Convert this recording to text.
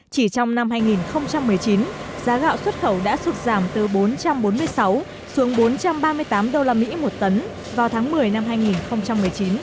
chỉ trong năm hai nghìn một mươi chín giá gạo xuất khẩu đã sụt giảm từ bốn trăm bốn mươi sáu xuống bốn trăm ba mươi tám usd một tấn vào tháng một mươi năm hai nghìn một mươi chín